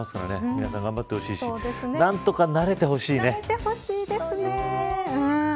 皆さん頑張ってほしいし慣れてほしいね。